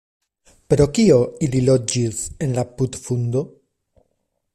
"Pro kio ili loĝis en la putfundo?"